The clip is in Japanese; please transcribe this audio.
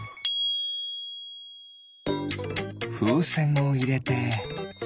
ふうせんをいれて。